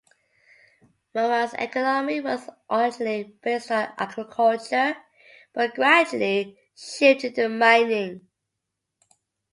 Moab's economy was originally based on agriculture, but gradually shifted to mining.